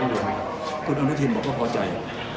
โปรดติดตามตอนต่อไป